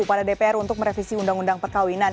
kepada dpr untuk merevisi undang undang perkawinan